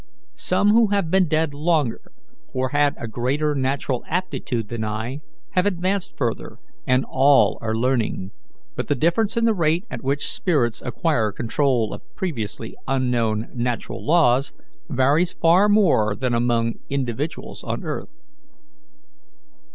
Some who have been dead longer, or had a greater natural aptitude than I, have advanced further, and all are learning; but the difference in the rate at which spirits acquire control of previously unknown natural laws varies far more than among individuals on earth.